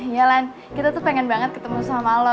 ya lan kita tuh pengen banget ketemu sama lo